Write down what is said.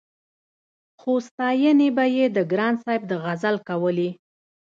خو ستاينې به يې د ګران صاحب د غزل کولې-